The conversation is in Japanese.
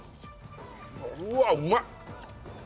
うわっうまい！